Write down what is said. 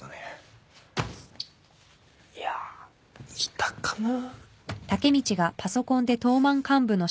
いやぁいたかな？